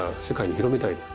世界に広めたい。